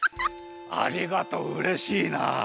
ありがとううれしいな。